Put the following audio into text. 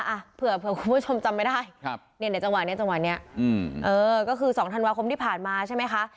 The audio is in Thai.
อะเผื่อคุณผู้ชมจำไม่ได้ในจังหวะนี้คือ๒ธันวาคมที่ผ่านมาใช่ไหมคะ